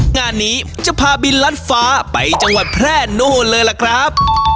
งานนี้จะพาบินลัดฟ้าไปจังหวัดแพร่นู่นเลยล่ะครับ